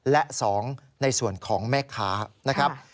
และ๒ในส่วนของแม่ค้านะครับ